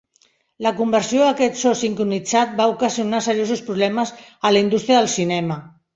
La conversió a aquest so sincronitzat va ocasionar seriosos problemes a la indústria del cinema.